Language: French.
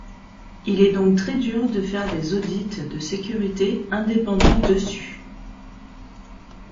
Il est donc très dur de faire des audits de sécurité indépendant dessus.